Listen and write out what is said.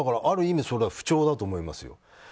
ある意味それは不調だと思いますよ。